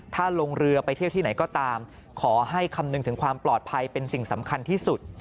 ถ้าลงเรือไปเที่ยวที่ไหนก็ตามขอให้คำนึงถึงความปลอดภัยเป็นสิ่งสำคัญที่สุด